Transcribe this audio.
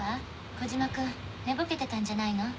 小嶋くん寝ぼけてたんじゃないの？